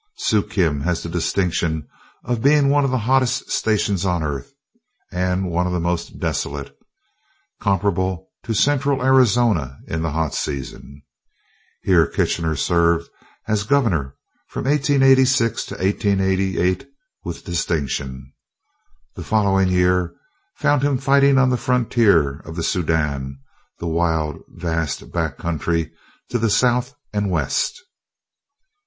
Suakim has the distinction of being one of the hottest stations on earth, and one of the most desolate, comparable to Central Arizona in the hot season. Here Kitchener served as Governor from 1886 to 1888, with distinction. The following year found him fighting on the frontier of the Soudan, the wild, vast back country to the south and west.